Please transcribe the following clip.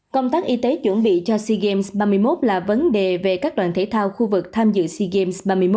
công tác y tế chuẩn bị cho sea games ba mươi một là vấn đề về các đoàn thể thao khu vực tham dự sea games ba mươi một